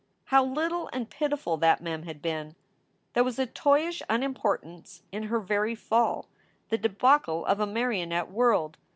How little and pitiful that Mem had been! There was a toyish unimportance in her very fall, the debacle of a marionette world.